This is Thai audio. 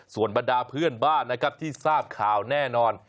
ส่วนบรรดาเพื่อนบ้านนะครับที่ทราบข่าวแน่นอน